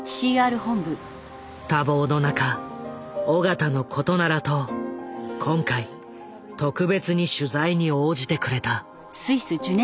多忙の中緒方のことならと今回特別に取材に応じてくれた。